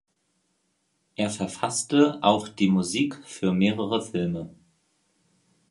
Er verfasste auch die Musik für mehrere Filme.